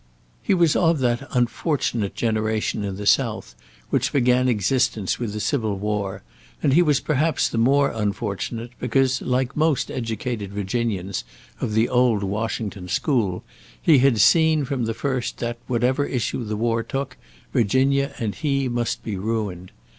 He was of that unfortunate generation in the south which began existence with civil war, and he was perhaps the more unfortunate because, like most educated Virginians of the old Washington school, he had seen from the first that, whatever issue the war took, Virginia and he must be ruined.